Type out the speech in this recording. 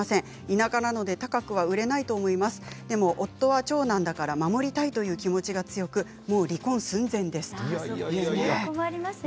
田舎なので高く売れないと思いますが夫は長男で守りたいという気持ちが強く離婚寸前です。